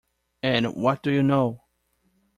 And what do you know?